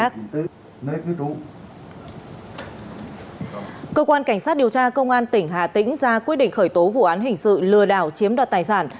cơ quan cảnh sát điều tra công an tỉnh hà tĩnh ra quyết định khởi tố vụ án hình sự lừa đảo chiếm đoạt tài sản